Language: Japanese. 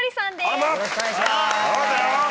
よろしくお願いします。